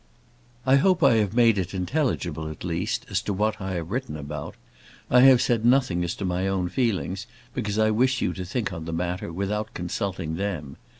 I hope I have made it intelligible, at least, as to what I have written about. I have said nothing as to my own feelings, because I wish you to think on the matter without consulting them.